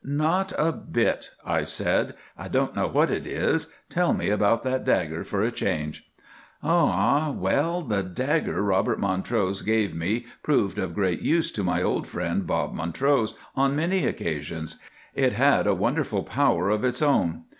"Not a bit," I said, "I don't know what it is. Tell me about that dagger for a change." "Oh! ah! Well, the dagger Robert of Montrose gave me proved of great use to my old friend, Bob Montrose, on many occasions. It had a wonderful power of its own.